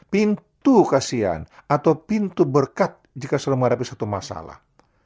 pintu kasihan atau pintu berkat jika saudara menghadapi satu masalah